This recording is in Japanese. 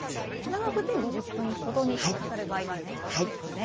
長くて５０分ほどかかる場合もあるということですね。